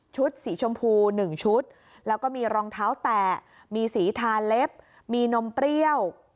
สีชมพู๑ชุดแล้วก็มีรองเท้าแตะมีสีทาเล็บมีนมเปรี้ยว